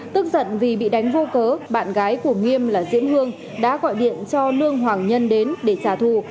tức giận vì bị đánh vô cớ bạn gái của nghiêm là diễm hương đã gọi điện cho lương hoàng nhân đến để trả thù